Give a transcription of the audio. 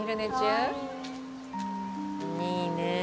「いいね」